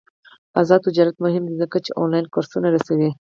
آزاد تجارت مهم دی ځکه چې آنلاین کورسونه رسوي.